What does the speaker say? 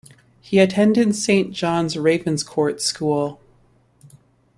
He attended Saint John's-Ravenscourt School.